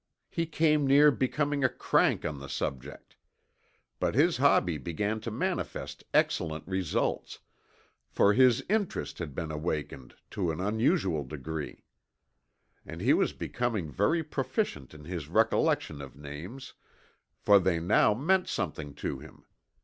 He came near becoming a "crank" on the subject. But his hobby began to manifest excellent results, for his interest had been awakened to an unusual degree, and he was becoming very proficient in his recollection of names, for they now meant something to him.